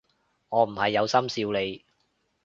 我唔係有心笑你